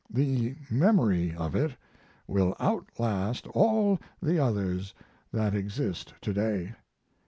The memory of it will outlast all the others that exist to day.